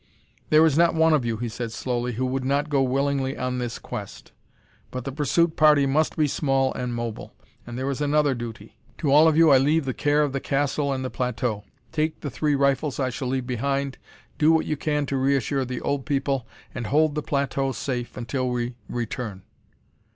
"There is not one of you," he said slowly, "who would not go willingly on this quest. But the pursuit party must be small and mobile. And there is another duty. To all of you I leave the care of the castle and the plateau. Take the three rifles I shall leave behind, do what you can to reassure the old people, and hold the plateau safe until we return."